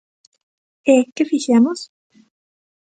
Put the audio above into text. E ¿que fixemos?